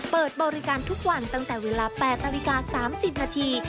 เปิดบริการทุกวันตั้งแต่เวลา๘นาฬิกา๓๐นาที